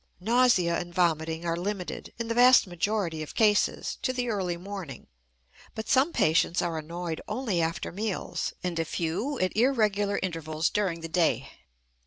Nausea and vomiting are limited, in the vast majority of cases, to the early morning, but some patients are annoyed only after meals, and a few at irregular intervals during the day.